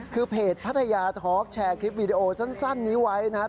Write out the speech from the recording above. คือเพจพัทยาทอล์กแชร์คลิปวีดีโอสั้นนี้ไว้นะครับ